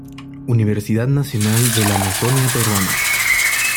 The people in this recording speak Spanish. Universidad Nacional de la Amazonía Peruana.